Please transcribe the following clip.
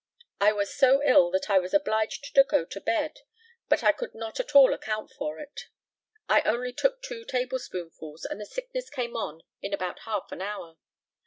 I was so ill that I was obliged to go to bed; but I could not at all account for it. I only took two table spoonfuls, and the sickness came on in about half an hour.